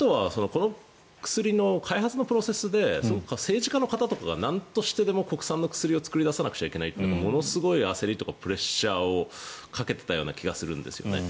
この薬の開発のプロセスで政治家の方たちがなんとしてでも国産の薬を開発しないとというものすごい焦りとかプレッシャーをかけていた気がするんですよね。